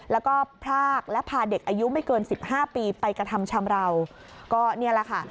แล้วก็พรากและพาเด็กอายุไม่เกินสิบห้าปีไปกระทำชำราวก็นี่แหละค่ะ